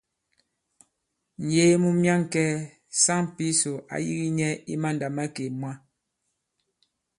Ŋ̀yee mu myaŋkɛ̄ɛ̄, saŋ Pǐsò ǎ yīgī nyɛ i mandàmakè mwǎ.